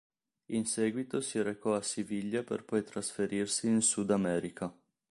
In seguito si recò a Siviglia per poi trasferirsi in sud America.